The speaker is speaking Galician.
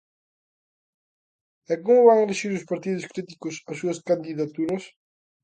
E como van elixir os partidos críticos as súas candidaturas?